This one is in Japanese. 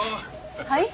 はい？